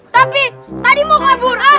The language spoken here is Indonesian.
tapi tadi mau kabur